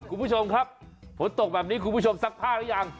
คุณผู้ชมครับฝนตกแบบนี้คุณผู้ชมซักผ้าหรือยัง